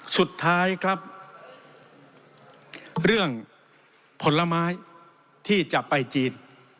สุดท้ายครับเรื่องผลไม้ที่จะไปจีน